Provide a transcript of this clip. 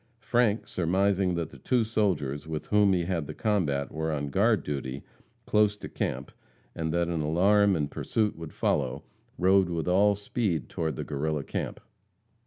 Frank, surmising that the two soldiers with whom he had the combat were on guard duty close to camp, and that an alarm and pursuit would follow, rode with all speed toward the Guerrilla camp.